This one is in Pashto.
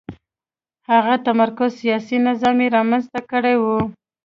هغه متمرکز سیاسي نظام یې رامنځته کړی و.